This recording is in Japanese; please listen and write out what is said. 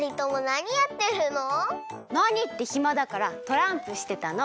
なにってひまだからトランプしてたの。